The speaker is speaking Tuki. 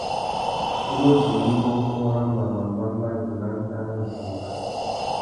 I nu djïmú mbōkunú râ mbama, mbămbá, igúh nà ntāh na mbassamangá.